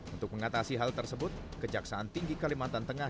untuk mengatasi hal tersebut kejaksaan tinggi kalimantan tengah